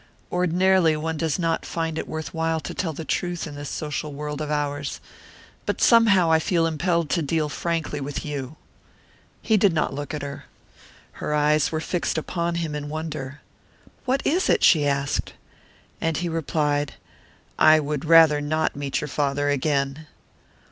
Ordinarily one does not find it worth while to tell the truth in this social world of ours. But somehow I feel impelled to deal frankly with you." He did not look at her. Her eyes were fixed upon him in wonder. "What is it?" she asked. And he replied, "I would rather not meet your father again."